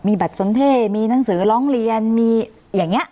บัตรสนเท่มีหนังสือร้องเรียนมีอย่างนี้